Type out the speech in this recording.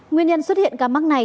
nguyên nhân xuất hiện ca mắc này